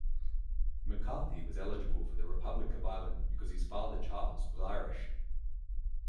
McCarthy was eligible for the Republic of Ireland because his father, Charles, was Irish.